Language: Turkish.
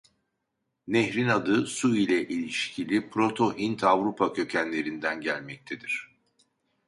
Nehrin adı su ile ilişkili Proto-Hint-Avrupa kökenlerinden gelmektedir.